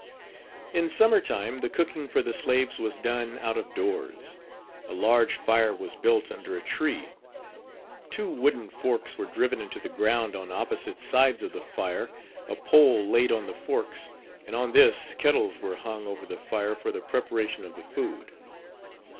In summer time the cooking for the slaves was done out of doors. A large fire was built under a Page 38 tree, two wooden forks were driven into the ground on opposite sides of the fire, a pole laid on the forks and on this kettles were hung over the fire for the preparation of the food.